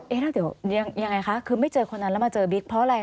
แล้วเดี๋ยวยังไงคะคือไม่เจอคนนั้นแล้วมาเจอบิ๊กเพราะอะไร